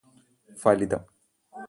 ഫലിതം